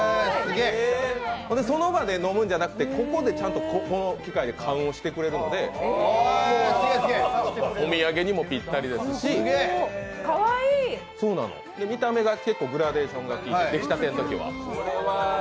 その場で飲むんじゃなくてこの機械で缶をしてくれるのでお土産にもぴったりですし見た目が結構、グラデーションが効いてて、出来たてのときは。